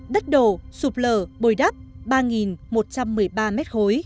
đất đổ sụp lở bồi đắp ba một trăm một mươi ba m ba